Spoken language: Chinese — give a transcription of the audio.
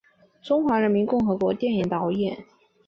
中华人民共和国电影导演。